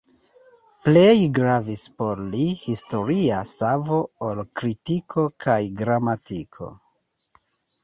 Plej gravis por li historia savo ol kritiko kaj gramatiko.